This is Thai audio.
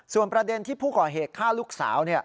ส่วนประเด็นที่ผู้ก่อเหตุฆ่าลูกสาว